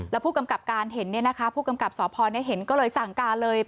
แล้วผู้กำกับการเห็นเนี่ยนะคะผู้กำกับสเนี่ยเห็นก็เลยสั่งการเลย